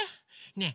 ねえ